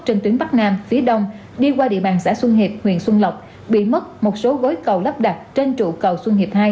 trên tuyến bắc nam phía đông đi qua địa bàn xã xuân hiệp huyện xuân lộc bị mất một số gối cầu lắp đặt trên trụ cầu xuân hiệp hai